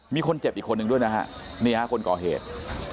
มีคนเจ็บอีกคนนึงด้วยนะฮะนี่ฮะคนก่อเหตุ